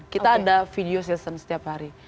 kita ada video season setiap hari